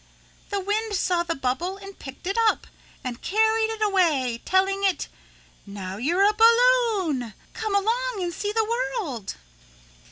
The wind saw the bubble and picked it up and carried it away, telling it, 'Now you're a balloon come along and see the world.'"